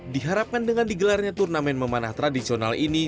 diharapkan dengan digelarnya turnamen memanah tradisional ini